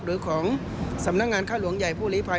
หรือของสำนักงานค่าหลวงใหญ่ผู้หลีภัย